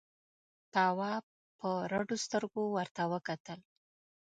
تواب په رډو سترګو ورته وکتل.